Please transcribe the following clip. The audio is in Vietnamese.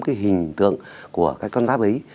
cái hình tượng của cái con giáp ấy